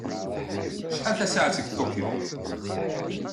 Acḥal tasaɛet deg Tokyo?